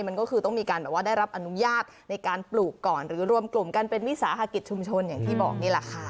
มันก็คือต้องมีการแบบว่าได้รับอนุญาตในการปลูกก่อนหรือรวมกลุ่มกันเป็นวิสาหกิจชุมชนอย่างที่บอกนี่แหละค่ะ